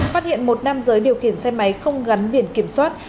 phát hiện một nam giới điều khiển xe máy không gắn biển kiểm soát